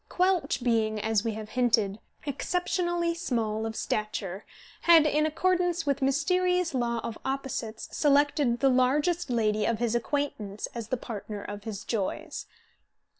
Quelch being, as we have hinted, exceptionally small of stature, had, in accordance with mysterious law of opposites, selected the largest lady of his acquaintance as the partner of his joys.